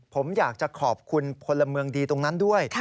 ผมอยากจะขอบคุณพลเมืองดีตรงนั้นด้วย